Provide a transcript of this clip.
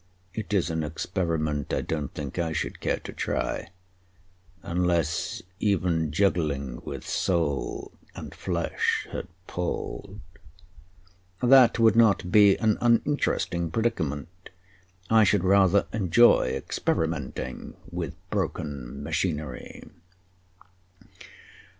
It is an experiment I don't think I should care to try, unless even juggling with soul and flesh had palled." "That would not be an uninteresting predicament. I should rather enjoy experimenting with broken machinery."